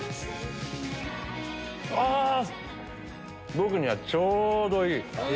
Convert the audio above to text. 僕にはちょうどいい！